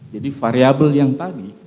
jadi variable yang tadi